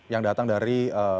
yang datang dari